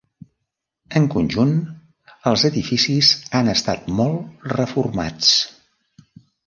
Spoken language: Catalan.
En conjunt els edificis han estat molt reformats.